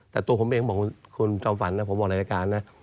แต่ตัวผมเองบอกคุณจอมฝันนะผมออกรายการนะ